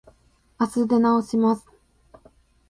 あす出直します。